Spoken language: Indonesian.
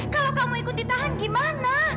kalau kamu ikut ditahan gimana